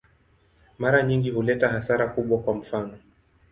Mara nyingi huleta hasara kubwa, kwa mfano.